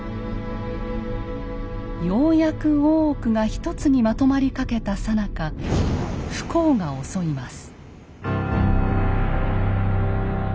ようやく大奥が一つにまとまりかけたさなか不幸が襲います。